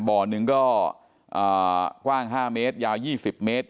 บ่อหนึ่งก็กว้าง๕เมตรยาว๒๐เมตร